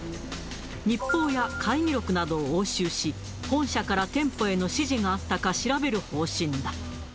日報や会議録などを押収し、本社から店舗への指示があったか調べる方針だ。